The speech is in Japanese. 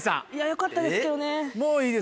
よかったですけどね。